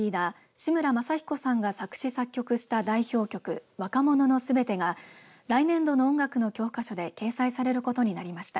志村正彦さんが作詞作曲した代表曲、若者のすべてが来年度の音楽の教科書で掲載されることになりました。